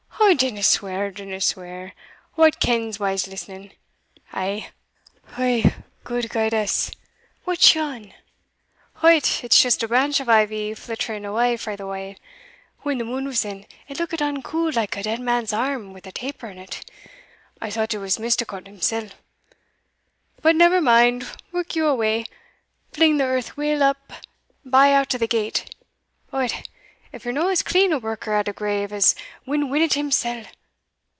"O dinna swear! dinna swear! Wha kens whals listening! Eh! gude guide us, what's yon! Hout, it's just a branch of ivy flightering awa frae the wa'; when the moon was in, it lookit unco like a dead man's arm wi' a taper in't I thought it was Misticot himsell. But never mind, work you away fling the earth weel up by out o' the gate Od, if ye're no as clean a worker at a grave as Win Winnet himsell!